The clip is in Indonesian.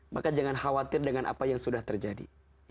maka jangan khawatir dengan apa yang sudah terjadi